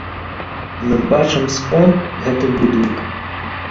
Мы бачым скон гэтых будынкаў.